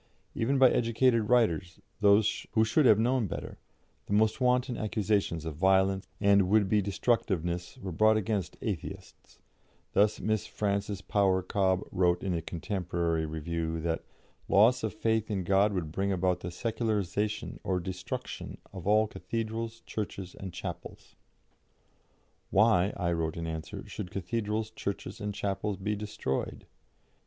Even by educated writers, who should have known better, the most wanton accusations of violence and would be destructiveness were brought against Atheists; thus Miss Frances Power Cobbe wrote in the Contemporary Review that loss of faith in God would bring about the secularisation or destruction of all cathedrals, churches, and chapels. "Why," I wrote in answer, "should cathedrals, churches, and chapels be destroyed?